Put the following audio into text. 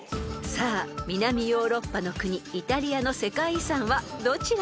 ［さあ南ヨーロッパの国イタリアの世界遺産はどちらでしょう？］